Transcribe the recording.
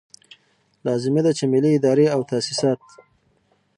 لازمه ده چې ملي ادارې او تاسیسات.